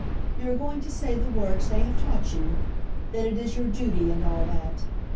"You are going to say the words they have taught you that it is your duty, and all that!